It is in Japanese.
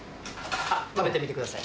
食べてみてください。